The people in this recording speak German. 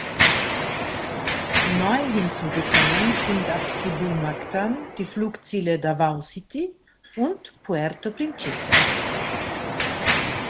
Neu hinzugekommen sind ab Cebu-Mactan die Flugziele Davao City und Puerto Princesa.